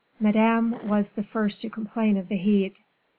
Madame was the first to complain of the heat.